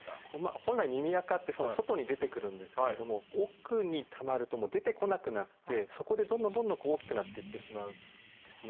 本来耳あかって外に出てくるんですけれども奥にたまるともう出てこなくなってそこでどんどんどんどん大きくなっていってしまうんですね。